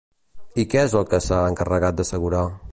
I què és el que s'ha encarregat d'assegurar?